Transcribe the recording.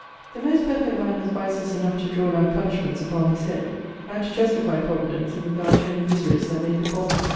... 'The most perfect man has vices enough to draw down punishments upon his head, and to justify Providence in regard to any miseries that may befall him.